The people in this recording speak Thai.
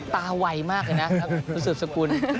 ตาวัยมากอีกนะสุดสกุล